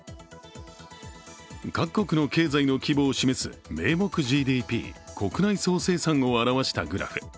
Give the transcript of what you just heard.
各国の経済の規模を示す名目ＧＤＰ＝国内総生産を表したグラフ。